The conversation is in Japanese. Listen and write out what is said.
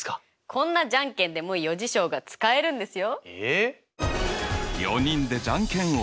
こんなじゃんけんでも余事象が使えるんですよ。